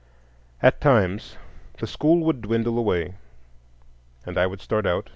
At times the school would dwindle away, and I would start out.